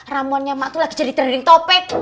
ramuannya mak tuh lagi jadi trending topic